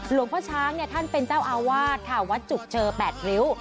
หลวงพ่อช้างท่านเป็นเจ้าอาวาสค่ะวัดจุกเจอ๘ริ้ว